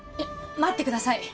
待ってください！